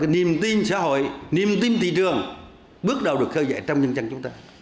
niềm tin xã hội niềm tin thị trường bước đầu được khơi dậy trong nhân dân chúng ta